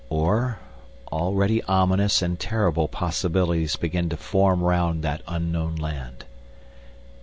Or already ominous and terrible possibilities began to form round that unknown land.